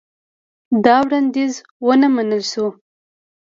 دا وړاندیز ونه منل شو.